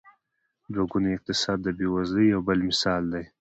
دوه ګونی اقتصاد د بېوزلۍ یو بل مثال دی.